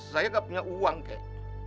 saya tidak punya uang kek